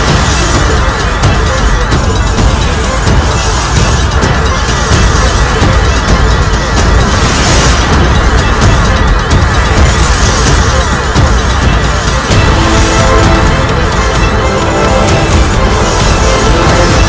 apakah kau lupa apa yang saya ajarkan